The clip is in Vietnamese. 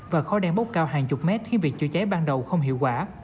và khói đen bốc cao hàng chục mét khiến việc chữa cháy ban đầu không hiệu quả